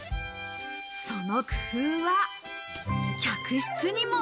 その工夫は客室にも。